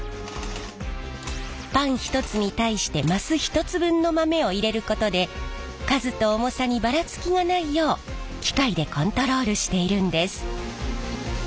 パン１つに対して升１つ分の豆を入れることで数と重さにばらつきがないよう機械でコントロールしているんです。